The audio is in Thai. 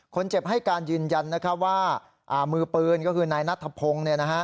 คนเจ็บให้การยืนยันว่ามือปืนเนยนนัสทพงศ์